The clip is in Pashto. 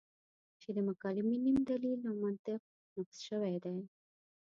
چې د مکالمې نیم دلیل او منطق نقص شوی دی.